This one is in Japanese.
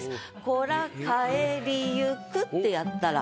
「子ら帰りゆく」ってやったら。